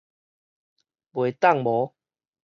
袂當無